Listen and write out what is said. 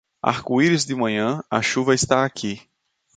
Arco-íris de manhã, a chuva está aqui.